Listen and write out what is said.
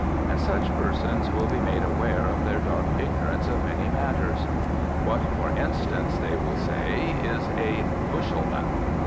And such persons will be made aware of their dark ignorance of many matters. What, for instance (they will say) is a "bushelman"?